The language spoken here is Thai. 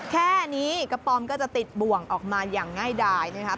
แค่นี้กระป๋อมก็จะติดบ่วงออกมาอย่างง่ายดายนะครับ